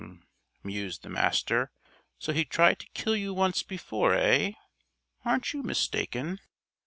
mused the Master. "So he tried to kill you once before, eh? Aren't you mistaken?"